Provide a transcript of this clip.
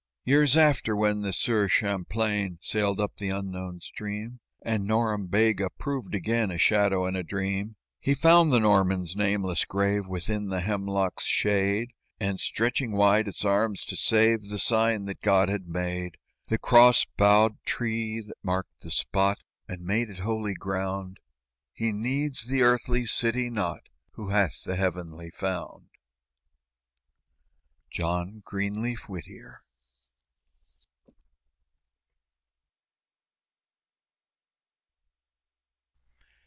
Years after, when the Sieur Champlain Sailed up the unknown stream, And Norembega proved again A shadow and a dream, He found the Norman's nameless grave Within the hemlock's shade, And, stretching wide its arms to save, The sign that God had made, The cross boughed tree that marked the spot And made it holy ground: He needs the earthly city not Who hath the heavenly found. JOHN GREENLEAF WHITTIER.